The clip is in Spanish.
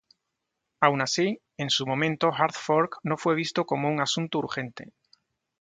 Aun así, en su momento hard fork no fue visto como un asunto urgente.